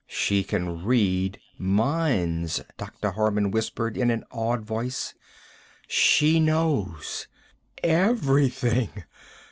"She can read minds," Dr. Harman whispered in an awed tone. "She knows. Everything.